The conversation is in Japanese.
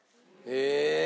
へえ！